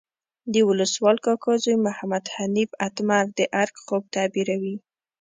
د ولسوال کاکا زوی محمد حنیف اتمر د ارګ خوب تعبیروي.